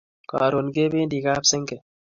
Karon kependi kap senge